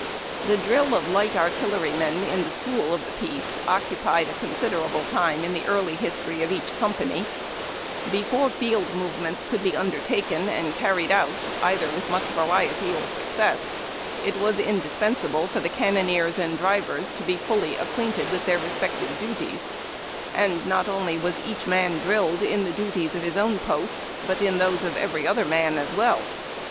The drill of light artillerymen in the school of the piece occupied a considerable time in the early history of each compan3^ Before field movements could be undertaken, and carried out either with much variety or success, it was indispensable for the cannoneers and drivers to be fully acquainted with their respective duties; and not only was each man drilled in the duties of his otvn post, but in those of every other man as well.